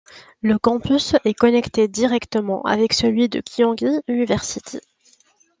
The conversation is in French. Le campus est connecté directement avec celui de Kyunghee University.